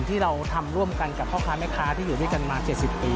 ที่เราทำร่วมกันกับพ่อค้าแม่ค้าที่อยู่ด้วยกันมา๗๐ปี